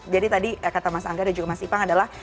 jadi tadi kata mas angga dan juga mas ipang adalah